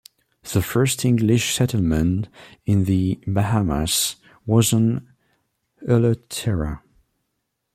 The first English settlement in the Bahamas was on Eleuthera.